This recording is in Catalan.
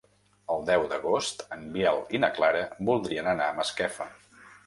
El deu d'agost en Biel i na Clara voldrien anar a Masquefa.